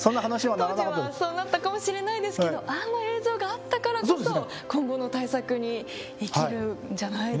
当時はそうなったかもしれないですけどあの映像があったからこそ今後の対策に生きるんじゃないでしょうか。